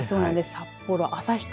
札幌、旭川